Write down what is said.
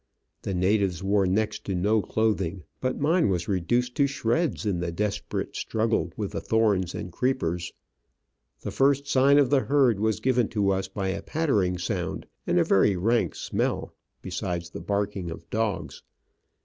The natives wore next to no clothing, ^but mine was reduced to shreds in the desperate struggle with the thorns and creepers. The first sign of the herd was given to us by a pattering sound and a very rank smell, besides the barking of dogs.